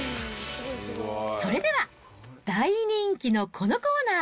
それでは、大人気のこのコーナー。